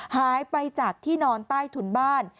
หายไปจากที่นอนใต้ถุนบ้าน